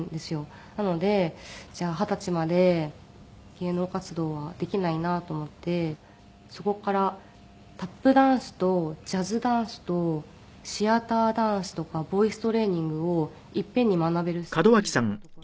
なのでじゃあ二十歳まで芸能活動はできないなと思ってそこからタップダンスとジャズダンスとシアターダンスとかボイストレーニングを一遍に学べるスクールみたいな所が。